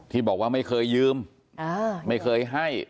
ที่บอกว่าไม่เคยยืมไม่เคยให้